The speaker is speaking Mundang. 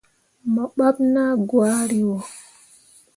Mo baɓɓe naa gwari wo.